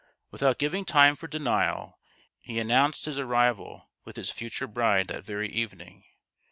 Without giving time for denial, he announced his arrival with his future bride that very evening.